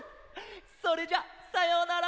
それじゃあさようなら！